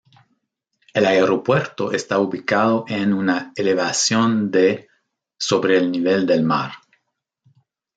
El aeropuerto está ubicado en una elevación de sobre el nivel del mar.